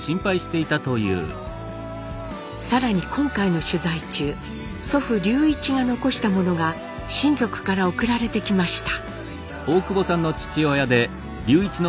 更に今回の取材中祖父隆一が残したものが親族から送られてきました。